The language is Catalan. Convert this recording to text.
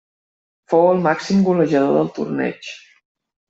Fou el màxim golejador del torneig.